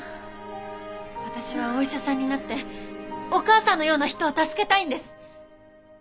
私はお医者さんになってお母さんのような人を助けたいんです。